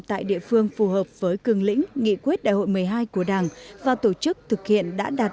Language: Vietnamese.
tại địa phương phù hợp với cường lĩnh nghị quyết đại hội một mươi hai của đảng và tổ chức thực hiện đã đạt